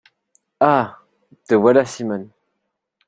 Ah ! te voilà, Simone.